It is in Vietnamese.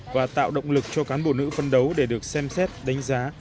và tạo động lực cho cán bộ nữ phân đấu để được xem xét đánh giá